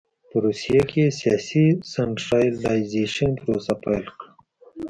په روسیه کې سیاسي سنټرالایزېشن پروسه پیل کړ.